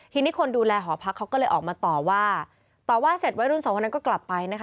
ทีนี้คนดูแลหอพักเขาก็เลยออกมาต่อว่าต่อว่าเสร็จวัยรุ่นสองคนนั้นก็กลับไปนะคะ